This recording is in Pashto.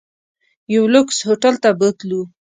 یو لوکس هوټل ته بوتلو.